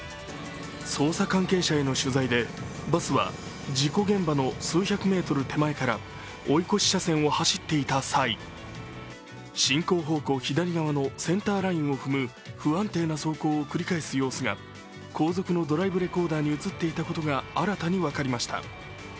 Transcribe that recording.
捜査関係者への取材でバスは事故現場の数百メートル手前から追い越し車線を走っていた際、進行方向左側のセンターラインを踏む不安定な走行を繰り返す様子が後続のドライブレコーダーに映っていたことが新たに分かりました。